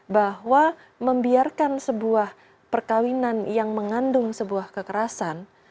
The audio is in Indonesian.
bahwa membiarkan sebuah perkawinan yang mengandung sebuah kekerasan